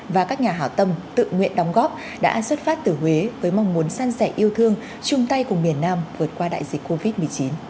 và các nhà hảo tâm tự nguyện đóng góp đã xuất phát từ huế với mong muốn san sẻ yêu thương chung tay cùng miền nam vượt qua đại dịch covid một mươi chín